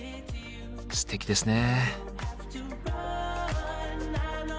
すてきですね。